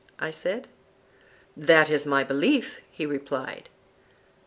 I said. That is my belief, he replied.